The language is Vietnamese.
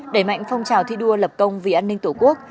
đẩy mạnh phong trào thi đua lập công vì an ninh tổ quốc